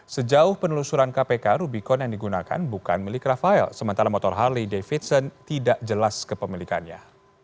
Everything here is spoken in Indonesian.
sejauh penelusuran kpk rubicon yang digunakan bukan milik rafael sementara motor harley davidson tidak jelas kepemilikannya